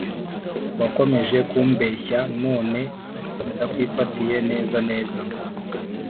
Wakomeje kumbeshya none ndakwifatiye neza neza